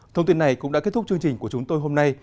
thông tin này cũng đã kết thúc chương trình của chúng tôi hôm nay